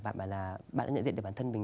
và bảo là bạn đã nhận diện được bản thân mình